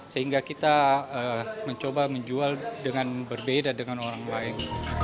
sehingga kita mencoba menjual dengan berbeda dengan orang lain